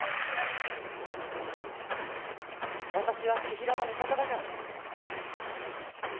忘れないで、私は千尋の味方だからね。